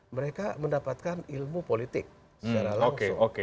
mereka mendapatkan ilmu politik secara langsung